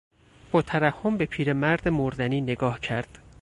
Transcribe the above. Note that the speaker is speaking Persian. با ترحم به پیرمرد مردنی نگاه کرد.